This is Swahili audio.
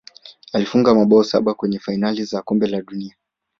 alifunga mabao saba kwenye fainali za kombe la dunia